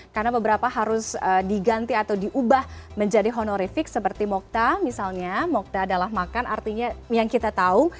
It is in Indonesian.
karena beberapa harus diganti atau diubah menjadi honorific seperti mokta misalnya mokta adalah makan artinya yang kita tahu